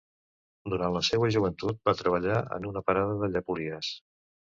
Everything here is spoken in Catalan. Durant la seua joventut va treballar en una parada de llepolies.